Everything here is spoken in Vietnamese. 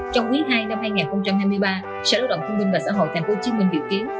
trong quý ii năm hai nghìn hai mươi ba sở lao động thông minh và xã hội thành phố chiên minh dự kiến